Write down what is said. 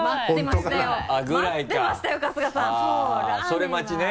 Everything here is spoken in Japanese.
それ待ちね。